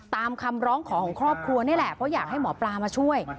ตามคำร้องขอของครอบครัวนี่แหละเพราะอยากให้หมอปลามาช่วย